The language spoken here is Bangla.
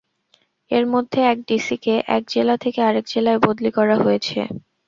এর মধ্যে এক ডিসিকে এক জেলা থেকে আরেক জেলায় বদলি করা হয়েছে।